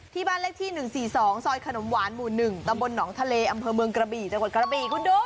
ที่บ้านเลขที่๑๔๒ซอยขนมหวานหมู่๑ตำบลหนองทะเลอำเภอเมืองกระบี่จังหวัดกระบีคุณดู